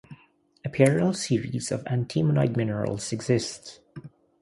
A parallel series of antimonide minerals exist.